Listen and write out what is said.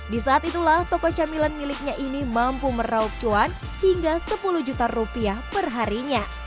di saat itulah toko camilan miliknya ini mampu meraup cuan hingga sepuluh juta rupiah perharinya